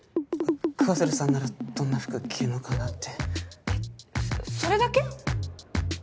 桑鶴さんならどんな服着るのかなってそれだけ？